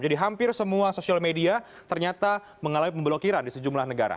jadi hampir semua sosial media ternyata mengalami pemblokiran di sejumlah negara